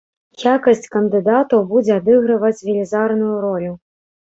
Якасць кандыдатаў будзе адыгрываць велізарную ролю.